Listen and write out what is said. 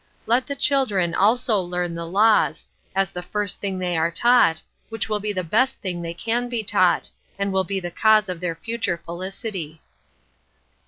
Let the children also learn the laws, as the first thing they are taught, which will be the best thing they can be taught, and will be the cause of their future felicity.